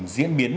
điểm diễn biến